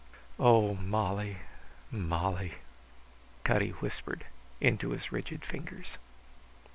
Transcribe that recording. "Oh, Molly, Molly!" Cutty whispered into his rigid fingers.